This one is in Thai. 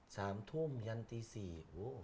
สามทุ่มยันตีสี่โอ้โห